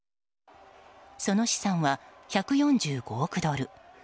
その資産は１４５億ドル。